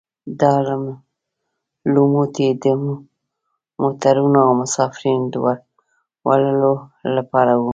دا لوموتي د موټرونو او مسافرینو د وړلو لپاره وو.